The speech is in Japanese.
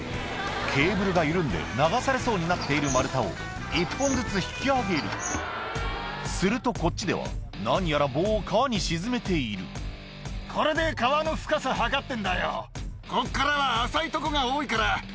ケーブルが緩んで流されそうになっている丸太を１本ずつ引き上げるするとこっちでは何やら棒を川に沈めているだからこうやってちゃんと測って。